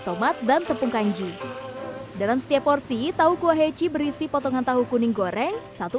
kumat dan tepung kanji dalam setiap porsi tau kuah heci berisi potongan tahu kuning goreng satu